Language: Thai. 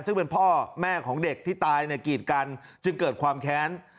ซึ่งเป็นพ่อแม่ของเด็กที่ตายในกีดกันจึงเกิดความแค้น